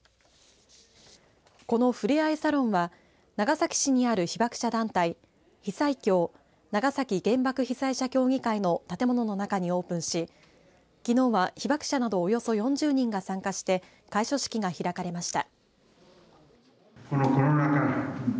このふれあいサロンは長崎市にある被爆者団体被災協、長崎原爆被災者協議会の建物の中にオープンしきのうは被爆者などおよそ４０人が参加して開所式が開かれました。